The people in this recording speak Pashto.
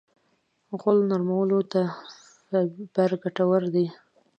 غول نرمولو ته فایبر ګټور دی.